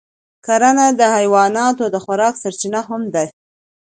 کرنه د حیواناتو د خوراک سرچینه هم ده.